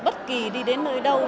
bất kỳ đi đến nơi đâu